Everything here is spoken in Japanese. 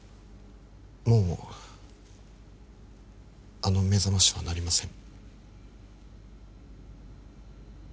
もうあの目覚ましは鳴りません